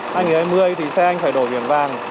hai nghìn hai mươi thì xe anh phải đổi biển vàng